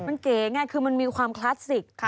มันเก๋ไงคือมันมีความคลาสสิก